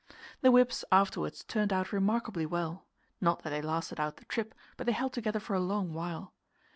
The whips afterwards turned out remarkably well not that they lasted out the trip, but they held together for a long while.